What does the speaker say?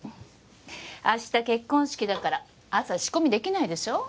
明日結婚式だから朝仕込みできないでしょ